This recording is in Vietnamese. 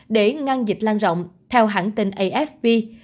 để ngăn dịch lan rộng theo hãng tên afp